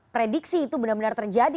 prediksi itu benar benar terjadi